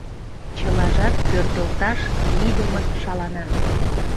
Чылажат пӧртылташ лийдымын шалана.